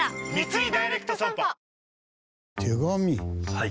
はい。